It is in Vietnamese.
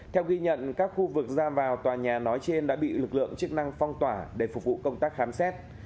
theo ghi nhận các khu vực ra vào tòa nhà nói trên đã bị lực lượng chức năng phong tỏa để phục vụ công tác khám xét